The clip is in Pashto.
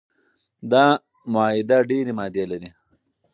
دا معاهده ډیري مادې لري.